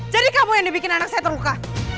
jadi kamu yang bikin anak saya terluka